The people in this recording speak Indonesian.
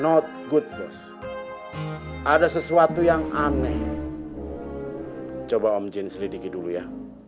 not good bos ada sesuatu yang aneh coba om jin selidiki dulu ya